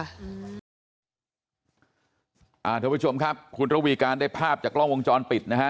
ท่านผู้ชมครับคุณระวีการได้ภาพจากกล้องวงจรปิดนะฮะ